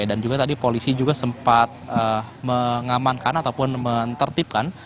dan juga tadi polisi juga sempat mengamankan ataupun mentertipkan